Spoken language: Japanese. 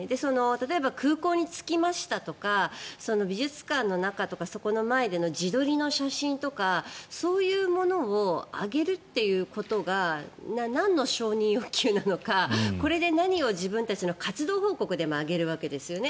例えば、空港に着きましたとか美術館の中とかそこの前での自撮りの写真とかそういうものを上げるということがなんの承認欲求なのかこれで自分たちの活動報告でも上げるわけですよね。